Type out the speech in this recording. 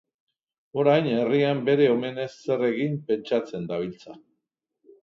Orain herrian bere omenez zer egin pentsatzen dabiltza.